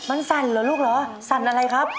มันสั่นเหรอลูกเหรอสั่นอะไรครับ